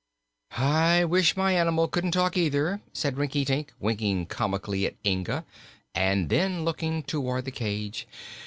"I wish my animal couldn't talk, either," said Rinkitink, winking comically at Inga and then looking toward the cage.